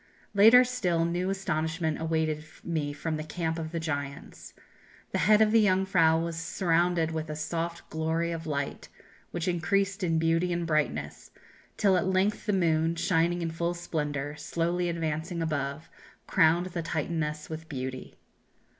"Later still, new astonishment awaited me from the camp of the giants. The head of the Jungfrau was surrounded with a soft glory of light, which increased in beauty and brightness, till at length the moon, shining in full splendour, slowly advancing above, crowned the Titaness with beauty."